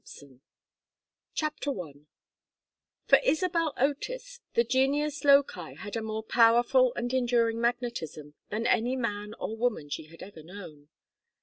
PART II 1905 I For Isabel Otis the genius loci had a more powerful and enduring magnetism than any man or woman she had ever known.